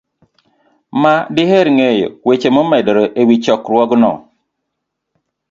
ma diher ng'eyo weche momedore e wi chokruogno.